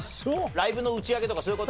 ライブの打ち上げとかそういう事？